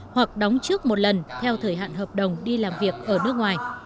hoặc đóng trước một lần theo thời hạn hợp đồng đi làm việc ở nước ngoài